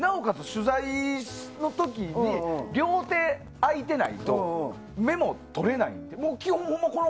取材の時に両手があいてないとメモ取れないんで。